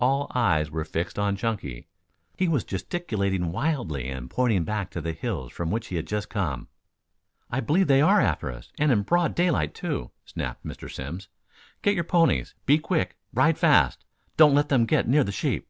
All eyes were fixed on Chunky. He was gesticulating wildly and pointing back to the hills from which he had just come. "I believe they are after us, and in broad daylight, too," snapped Mr. Simms. "Get your ponies. Be quick! Ride fast. Don't let them get near the sheep."